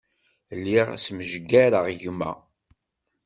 Lliɣ smejgareɣ gma.